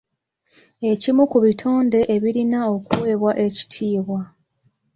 Ekimu ku bitonde ebirina okuweebwa ekitiibwa.